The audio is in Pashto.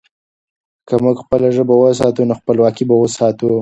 که موږ خپله ژبه وساتو، نو خپلواکي به وساتو.